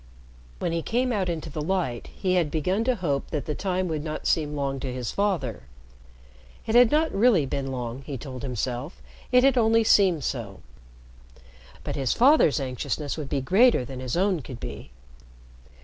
When he came out into the light, he had begun to hope that the time would not seem long to his father. It had not really been long, he told himself, it had only seemed so. But his father's anxiousness would be greater than his own could be.